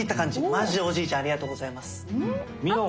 マジおじいちゃんありがとうございます。